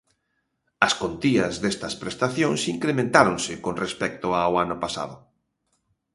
As contías destas prestacións incrementáronse con respecto ao ano pasado.